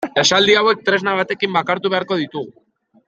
Esaldi hauek tresna batekin bakartu beharko ditugu.